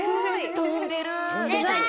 とんでる！